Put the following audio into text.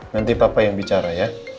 nanti papa yang bicara ya